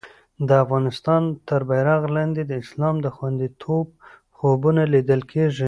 د افغانستان تر بېرغ لاندې د اسلام د خوندیتوب خوبونه لیدل کېږي.